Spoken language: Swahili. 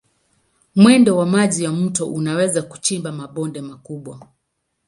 Mwendo wa maji ya mito unaweza kuchimba mabonde makubwa.